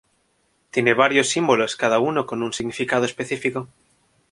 Tiene varios símbolos cada uno con un significado específico.